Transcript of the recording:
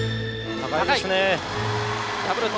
高いですね。